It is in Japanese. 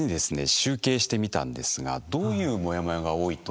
集計してみたんですがどういうモヤモヤが多いと思います？